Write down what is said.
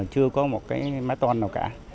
chưa có một cái mái toan nào cả